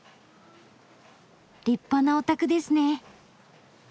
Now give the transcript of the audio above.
立派なお宅ですね！